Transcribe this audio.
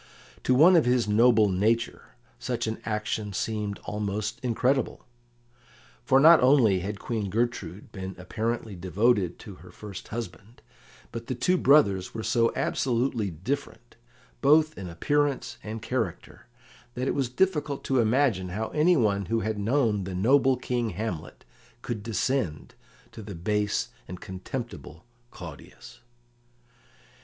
To one of his noble nature such an action seemed almost incredible. For not only had Queen Gertrude been apparently devoted to her first husband, but the two brothers were so absolutely different, both in appearance and character, that it was difficult to imagine how anyone who had known the noble King Hamlet could descend to the base and contemptible Claudius.